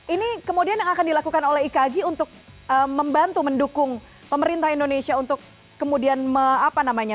ini kemudian yang akan dilakukan oleh ikagi untuk membantu mendukung pemerintah indonesia untuk kemudian apa namanya